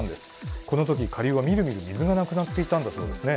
この時下流はみるみる水がなくなっていたんだそうですね。